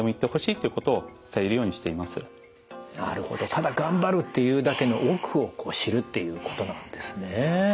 ただ頑張るっていうだけの奥を知るっていうことなんですね。